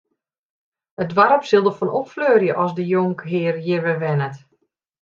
It doarp sil derfan opfleurje as de jonkhear hjir wer wennet.